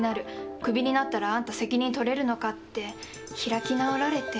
クビになったらあんた責任取れるのか」って開き直られて。